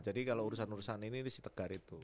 jadi kalau urusan urusan ini ini si tegar itu